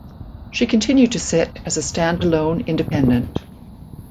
She continued to sit as a standalone independent.